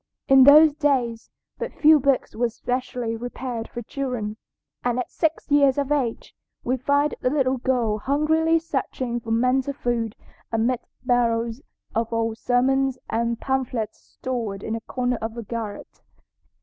In those days but few books were specially prepared for children, and at six years of age we find the little girl hungrily searching for mental food amid barrels of old sermons and pamphlets stored in a corner of the garret.